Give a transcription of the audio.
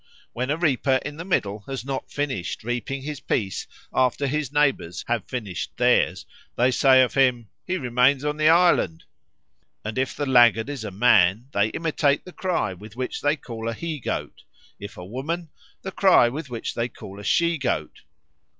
When a reaper in the middle has not finished reaping his piece after his neighbours have finished theirs, they say of him, "He remains on the island." And if the laggard is a man, they imitate the cry with which they call a he goat; if a woman, the cry with which they call a she goat.